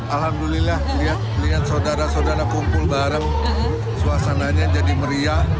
alhamdulillah lihat saudara saudara kumpul bareng suasananya jadi meriah